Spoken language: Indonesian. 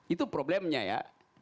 itu problemnya ya